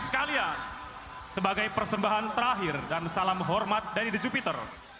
sekalian sebagai persembahan terakhir dan salam hormat dari the jupiter